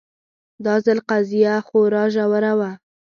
دا ځل قضیه خورا ژوره وه